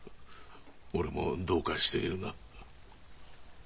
俺もどうかしているな。